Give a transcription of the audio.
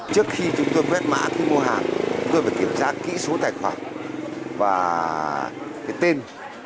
trước khi chúng tôi quét mã khi mua hàng chúng tôi phải kiểm tra kỹ số tài khoản và cái tên